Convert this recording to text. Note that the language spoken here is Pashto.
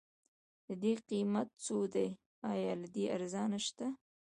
ددې قيمت څو دی؟ ايا له دې ارزان شته؟